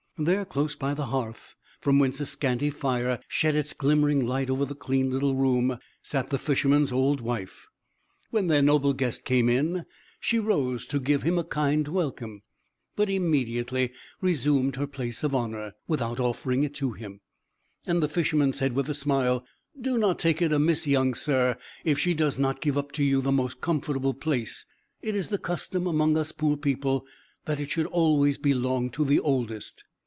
There, close by the hearth, from whence a scanty fire shed its glimmering light over the clean little room, sat the Fisherman's old wife. When their noble guest came in, she rose to give him a kind welcome, but immediately resumed her place of honour, without offering it to him; and the Fisherman said with a smile: "Do not take it amiss, young sir, if she does not give up to you the most comfortable place; it is the custom among us poor people that it should always belong to the oldest."